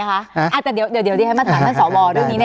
การแสดงความคิดเห็น